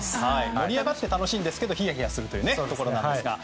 盛り上がって楽しいんですけどひやひやするということですが。